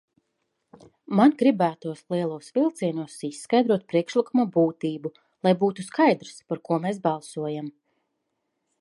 Man gribētos lielos vilcienos izskaidrot priekšlikuma būtību, lai būtu skaidrs, par ko mēs balsojam.